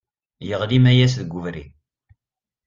Yeɣli Mayas deg ubrid.